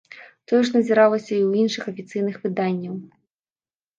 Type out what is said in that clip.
Тое ж назіралася і ў іншых афіцыйных выданняў.